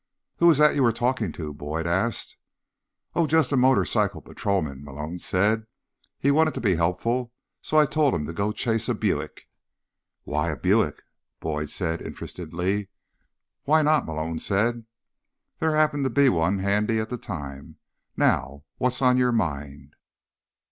"Who was that you were talking to?" Boyd asked. "Oh, just a motorcycle patrolman," Malone said. "He wanted to be helpful, so I told him to go chase a Buick." "Why a Buick?" Boyd said, interestedly. "Why not?" Malone said. "There happened to be one handy at the time. Now, what's on your mind?"